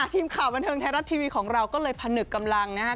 ทีมข่าวบันเทิงไทยรัฐทีวีของเราก็เลยผนึกกำลังนะครับ